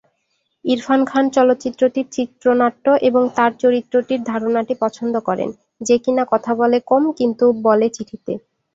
ইরফান খান চলচ্চিত্রটির চিত্রনাট্য এবং তার চরিত্রটির ধারণাটি পছন্দ করেন, যে কিনা কথা বলে কম কিন্তু বলে চিঠিতে।